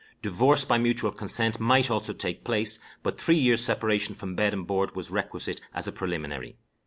Divorce by mutual consent might also take place, but three years' separation from bed and board was requisite as a preliminary.